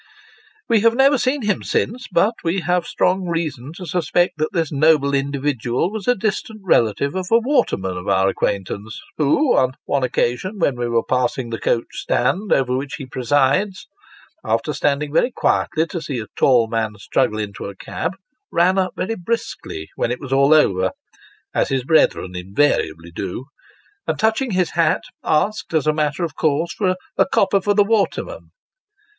We have never seen him since, but we have strong reason to suspect that this noble individual was a distant relative of a waterman of our acquaintance, who, on one occasion, when we were passing the coach stand over which he presides, after standing very quietly to see a tall man struggle into a cab, ran up very briskly when it was all over (as his brethren invai iably do), and, touching his hat, asked, as a matter of course, for " a copper for the waterman."